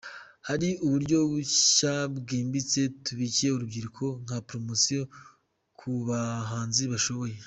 Hari uburyo bushya bwimbitse tubikiye urubyiruko, nka ‘promotion’ ku bahanzi bashoboye”.